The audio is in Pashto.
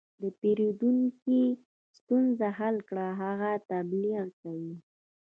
د پیرودونکي ستونزه حل کړه، هغه تبلیغ کوي.